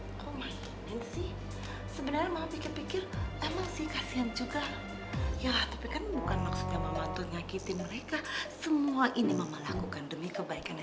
kok mainin sih sebenernya mama pikir pikir emang sih kasihan juga ya tapi kan bukan maksudnya mama tuh nyakitin mereka semua ini mama lakukan demi kebaikan si boy